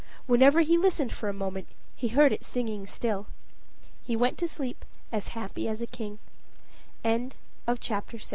Whenever he listened for a moment, he heard it singing still. He went to sleep as happy as a king. CHAPTER VII "Happy a